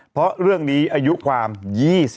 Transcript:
เพราะเรื่องนี้อายุความ๒๐